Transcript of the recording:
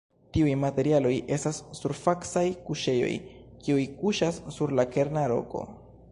Tiuj materialoj estas surfacaj kuŝejoj kiuj kuŝas sur la kerna roko.